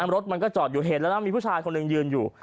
รถมันก็จอดอยู่เห็นแล้วนะมีผู้ชายคนหนึ่งยืนอยู่